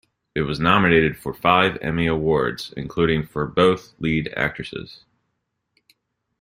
It was nominated for five Emmy Awards, including for both lead actresses.